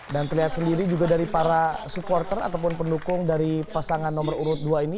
dan terlihat sendiri juga dari para supporter ataupun pendukung dari pasangan nomor urut dua ini